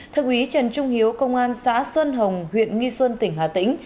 thượng úy trần trung hiếu công an xã xuân hồng huyện nghi xuân tỉnh hà tĩnh